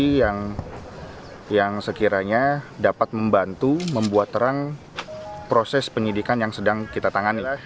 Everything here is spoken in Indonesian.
ini yang sekiranya dapat membantu membuat terang proses penyidikan yang sedang kita tangani